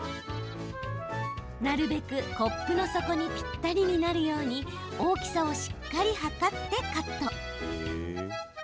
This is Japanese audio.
なるべくコップの底にぴったりになるように大きさをしっかり測ってカット。